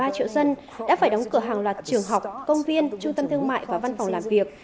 ba triệu dân đã phải đóng cửa hàng loạt trường học công viên trung tâm thương mại và văn phòng làm việc